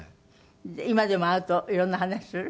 今でも会うと色んな話する？